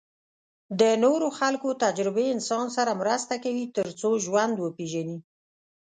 د نورو خلکو تجربې انسان سره مرسته کوي تر څو ژوند وپېژني.